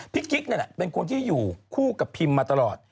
กิ๊กนั่นแหละเป็นคนที่อยู่คู่กับพิมมาตลอด